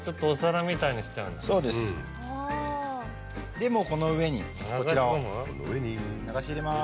でもうこの上にこちらを流し入れます。